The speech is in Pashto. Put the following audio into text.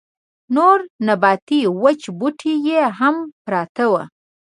نور نباتي وچ بوټي يې هم پراته وو.